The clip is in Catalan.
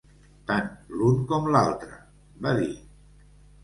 Tant l’un com l’altre, va dir.